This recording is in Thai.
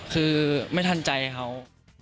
คือไม่ทันใจเขา